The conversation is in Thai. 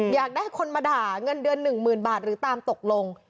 อยากได้คนมาด่าเงินเดือน๑๐๐๐บาทหรือตามตกลง